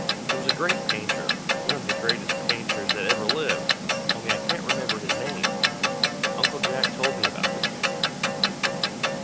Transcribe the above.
It was a great painter, one of the greatest painters that ever lived, only I can't remember his name. Uncle Jack told me about him."